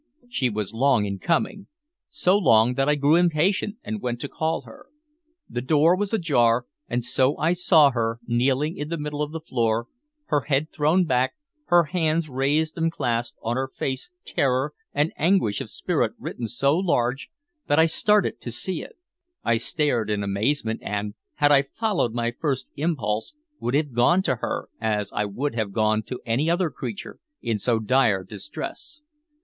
She was long in coming, so long that I grew impatient and went to call her. The door was ajar, and so I saw her, kneeling in the middle of the floor, her head thrown back, her hands raised and clasped, on her face terror and anguish of spirit written so large that I started to see it. I stared in amazement, and, had I followed my first impulse, would have gone to her, as I would have gone to any other creature in so dire distress.